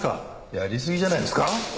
やりすぎじゃないですか？